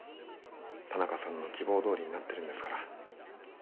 田中さんの希望どおりになってるんですから。